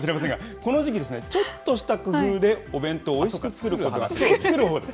この時期、ちょっとした工夫で、お弁当、おいしく作ることができます。